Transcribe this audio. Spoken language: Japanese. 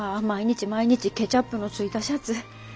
毎日毎日ケチャップのついたシャツ。